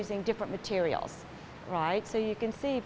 menggunakan material yang berbeda